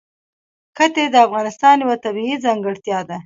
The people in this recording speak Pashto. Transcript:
ښتې د افغانستان یوه طبیعي ځانګړتیا ده.